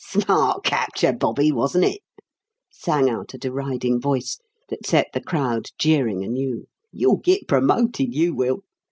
"Smart capture, Bobby, wasn't it?" sang out a deriding voice that set the crowd jeering anew. "You'll git promoted, you will!